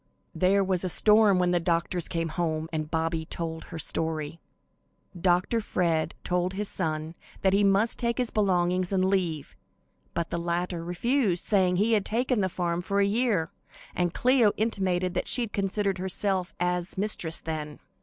There was a storm when the doctors came home and Bobby told her story. Dr. Fred told his son that he must take his belongings and leave, but the latter refused, saying he had taken the farm for a year; and Cleo intimated that she considered herself as mistress then.